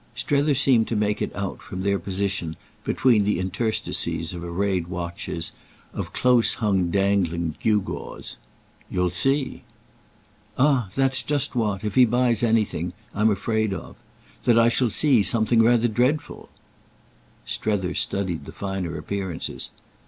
Strether seemed to make it out, from their position, between the interstices of arrayed watches, of close hung dangling gewgaws. "You'll see." "Ah that's just what—if he buys anything—I'm afraid of: that I shall see something rather dreadful." Strether studied the finer appearances.